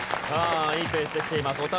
さあいいペースできています。